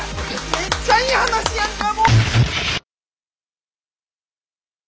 めっちゃいい話やんか。